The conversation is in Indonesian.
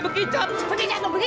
banyak saya yang muda ya ya